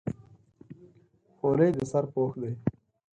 خولۍ د سر پوښ دی.